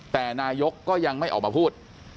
แต่นายกก็ยังไม่ออกมาพูด